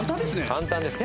簡単です。